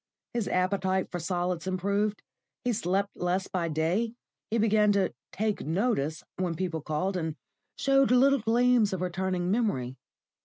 His appetite for solids improved, he slept less by day, he began to "take notice" when people called, and showed little gleams of returning memory.